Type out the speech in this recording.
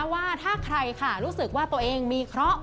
ว่าถ้าใครค่ะรู้สึกว่าตัวเองมีเคราะห์